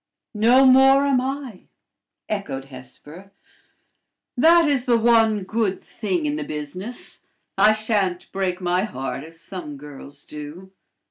"No more am I," echoed Hesper; "that is the one good thing in the business: I sha'n't break my heart, as some girls do.